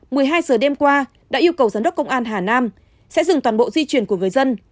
các giờ đêm qua đã yêu cầu giám đốc công an hà nam sẽ dừng toàn bộ di chuyển của người dân